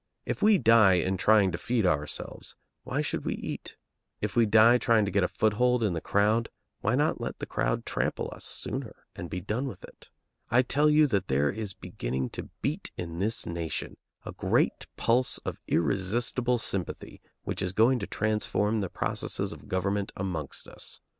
If we die in trying to feed ourselves, why should we eat? If we die trying to get a foothold in the crowd, why not let the crowd trample us sooner and be done with it? I tell you that there is beginning to beat in this nation a great pulse of irresistible sympathy which is going to transform the processes of government amongst us.